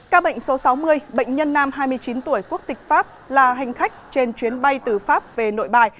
ca bệnh số sáu mươi bệnh nhân nam hai mươi chín tuổi quốc tịch pháp là hành khách trên chuyến bay từ pháp về nội bài